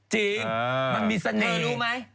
จริงมันมีเสน่ห์